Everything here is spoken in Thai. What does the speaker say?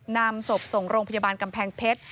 นำศพส่งโรงพยาบาลกำแพงเพชร